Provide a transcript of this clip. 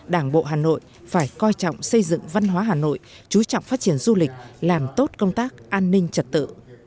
đảng bộ hà nội phải coi trọng xây dựng văn hóa hà nội chú trọng phát triển du lịch làm tốt công tác an ninh trật tự